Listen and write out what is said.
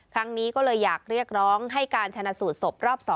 ครั้งนี้ก็เลยอยากเรียกร้องให้การชนะสูตรศพรอบ๒